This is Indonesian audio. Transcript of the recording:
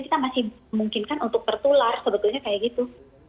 kita masih memungkinkan untuk tertular sebetulnya kayak gitu